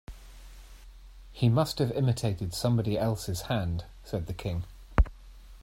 ‘He must have imitated somebody else’s hand,’ said the King.